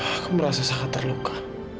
aku merasa sangat terluka